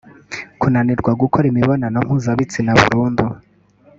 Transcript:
kunanirwa gukora imibonano mpuzabitsina burundu